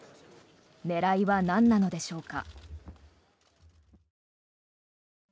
狙いはなんなのでしょうか。